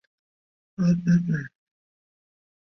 当时北宋对待原辽国汉人的政策非常不妥。